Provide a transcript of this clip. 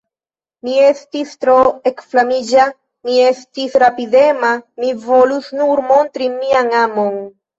Mi estis tro ekflamiĝa, mi estis rapidema, mi volus nur montri mian amon.